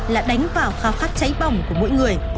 là đánh vào khao khát cháy bỏng của mỗi người